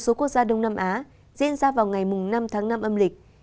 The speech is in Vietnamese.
số quốc gia đông nam á diễn ra vào ngày năm tháng năm âm lịch